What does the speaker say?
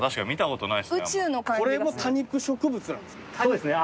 これも多肉植物なんですか？